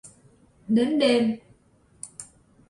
Đến đêm